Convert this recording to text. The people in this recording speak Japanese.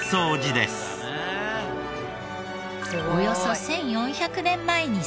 およそ１４００年前に創建。